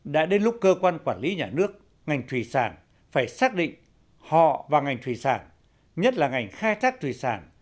đã đến lúc cơ quan quản lý nhà nước ngành thủy sản phải xác định họ và ngành thủy sản nhất là ngành khai thác thủy sản